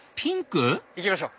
行きましょう！